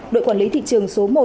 đội quản lý thị trường số một